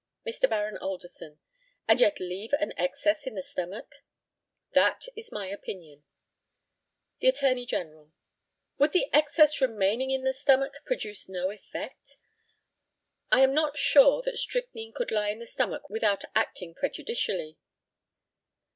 Mr. Baron ALDERSON: And yet leave an excess in the stomach? That is my opinion. The ATTORNEY GENERAL: Would the excess remaining in the stomach produce no effect? I am not sure that strychnine could lie in the stomach without acting prejudicially.